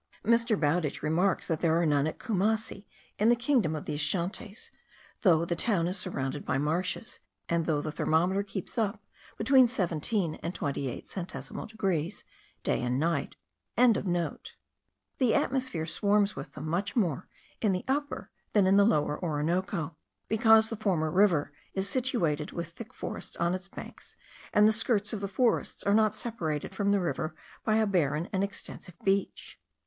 Mr. Bowdich remarks that there are none at Coomassie, in the kingdom of the Ashantees, though the town is surrounded by marshes, and though the thermometer keeps up between seventeen and twenty eight centesimal degrees, day and night.) The atmosphere swarms with them much more in the Upper than in the Lower Orinoco, because in the former the river is surrounded with thick forests on its banks, and the skirts of the forests are not separated from the river by a barren and extensive beach.